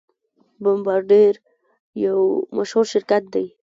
بمبارډیر یو مشهور شرکت دی.